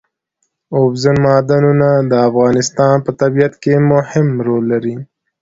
اوبزین معدنونه د افغانستان په طبیعت کې مهم رول لري.